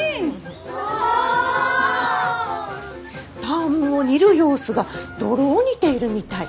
田芋を煮る様子が泥を煮ているみたい。